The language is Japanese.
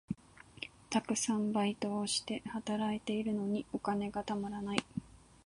たくさんバイトをして、働いているのにお金がたまらない。